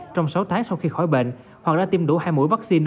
trong sáu tháng sau khi khỏi bệnh hoàng đã tiêm đủ hai mũi vaccine